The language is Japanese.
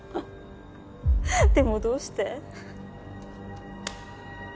でもどうして？